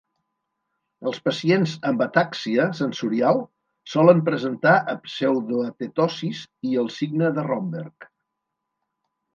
Els pacients amb atàxia sensorial solen presentar pseudoatetosis i el signe de Romberg.